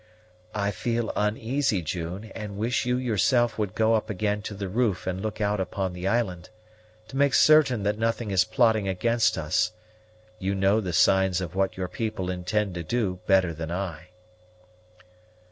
"I feel uneasy, June; and wish you yourself would go up again to the roof and look out upon the island, to make certain that nothing is plotting against us; you know the signs of what your people intend to do better than I."